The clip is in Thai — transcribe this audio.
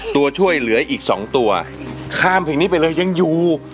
ตัวช่วยเหลืออีก๒ตัวข้ามเพลงนี้ไปเลยยังอยู่